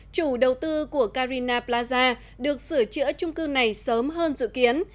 chủ đầu tư của carina plaza được sửa chữa trung cư này sớm hơn dự kiến